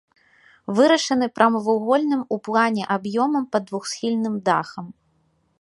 Вырашаны прамавугольным у плане аб'ёмам пад двухсхільным дахам.